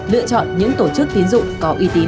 lựa chọn những tổ chức tín dụng có uy tín